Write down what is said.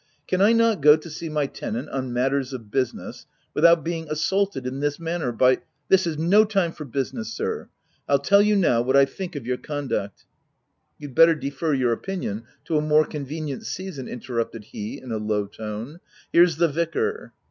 " Can I not go to see my OF WILDFELL HALL. 18/ tenant on matters of business, without being assaulted in this manner by —"" This is no time for business sir !— Pll tell you, now, what I think of your conduct." u You'd better defer your opinion to a more convenient season/' interrupted he in a low tone — u here's the vicar."